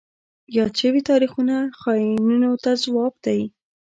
یاد شوي تاریخونه خاینینو ته ځواب دی.